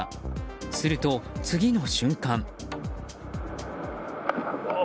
すると、次の瞬間。